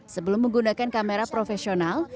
sebelum menggunakan kamera profesional